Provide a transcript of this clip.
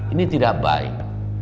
ini tidak baik